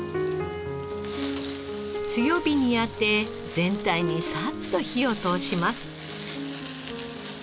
強火にあて全体にサッと火を通します。